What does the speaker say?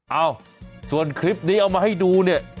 เอ้าส่วนคลิปนี้เอามาให้ดูเนี่ย